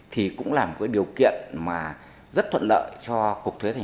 thì cũng là một điều kiện rất thuận lợi cho cục thuế tp hcm